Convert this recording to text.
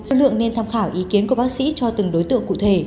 lực lượng nên tham khảo ý kiến của bác sĩ cho từng đối tượng cụ thể